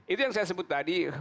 itu yang saya sebut tadi